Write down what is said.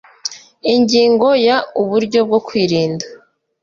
ingingo ya uburyo bwo kwirinda